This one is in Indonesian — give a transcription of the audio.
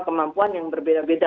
kemampuan yang berbeda beda